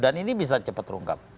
dan ini bisa cepat terungkap